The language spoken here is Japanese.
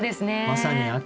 まさに秋。